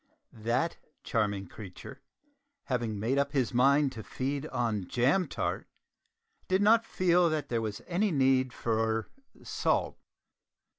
That charming creature, having made up his mind to feed on jam tart, did not feel that there was any need for salt.